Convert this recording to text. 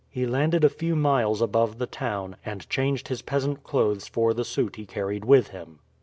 He landed a few miles above the town, and changed his peasant clothes for the suit he carried with him.